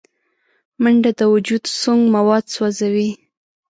منډه د وجود سونګ مواد سوځوي